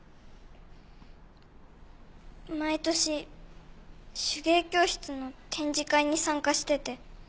毎年手芸教室の展示会に参加してて。